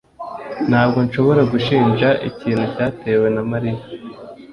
Ntabwo nshobora gushinja ikintu cyatewe na Mariya.